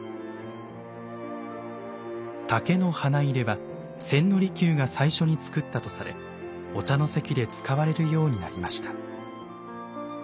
竹の花入は千利休が最初に作ったとされお茶の席で使われるようになりました。